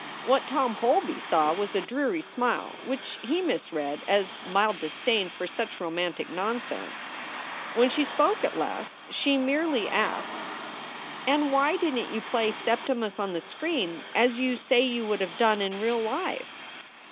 What Tom Holby saw was a dreary smile, which he mis read as mild disdain for such romantic nonsense. When she spoke at last she merely asked : "And why didn t you play Septimus on the screen, as you say you would have done in real life?